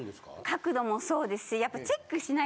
角度もそうですしやっぱ。